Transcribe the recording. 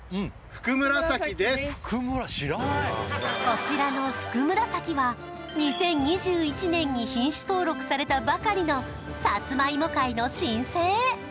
こちらのふくむらさきは２０２１年に品種登録されたばかりのサツマイモ界の新星！